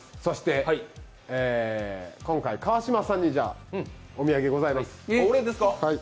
今回、川島さんにお土産がございます。